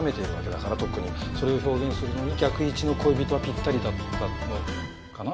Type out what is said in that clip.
それを表現するのに逆位置の恋人はぴったりだったのかな？